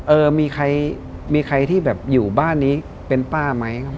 เออมีใครที่อยู่บ้านนี้เป็นป้าไหม